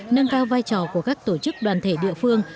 nâng cao vai trò của các tổ chức đoàn thể địa phương